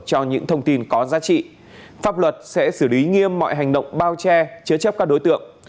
cho những thông tin có giá trị pháp luật sẽ xử lý nghiêm mọi hành động bao che chứa chấp các đối tượng